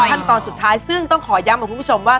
ขั้นตอนสุดท้ายซึ่งต้องขอย้ำกับคุณผู้ชมว่า